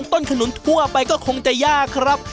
ขนุนทั่วไปก็คงจะยากครับ